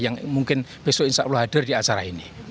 yang mungkin besok insya allah hadir di acara ini